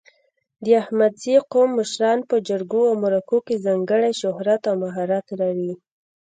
د احمدزي قوم مشران په جرګو او مرکو کې ځانګړی شهرت او مهارت لري.